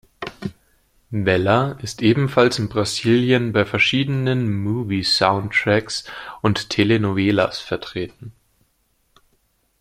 Weller ist ebenfalls in Brasilien bei verschiedenen movie soundtracks und Telenovelas vertreten.